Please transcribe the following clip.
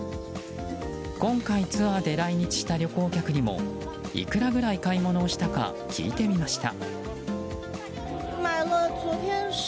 今回、ツアーで来日した旅行客にもいくらぐらい買い物をしたか聞いてみました。